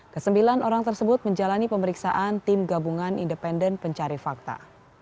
kesembilan orang tersebut menjalani pemeriksaan tim gabungan independen pencari fakta